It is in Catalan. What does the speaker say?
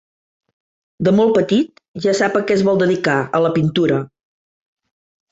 De molt petit ja sap a què es vol dedicar: a la pintura.